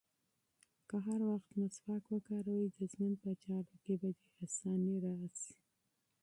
که هر وخت مسواک وکاروې، د ژوند په چارو کې به دې اساني راشي.